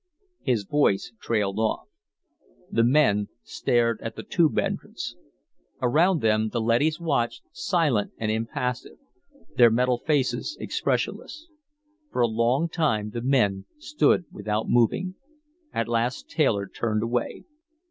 His voice trailed off. The men stared at the Tube entrance. Around them the leadys watched, silent and impassive, their metal faces expressionless. For a long time the men stood without moving. At last Taylor turned away.